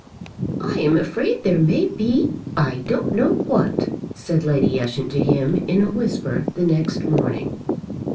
"I am afraid there may be I don't know what," said Lady Ushant to him in a whisper the next morning.